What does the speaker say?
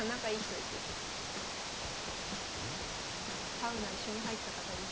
サウナ一緒に入った方です。